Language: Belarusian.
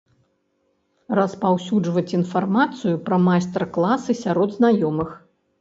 Распаўсюджваць інфармацыю пра майстар-класы сярод знаёмых.